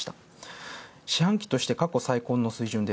四半期として過去最高の水準。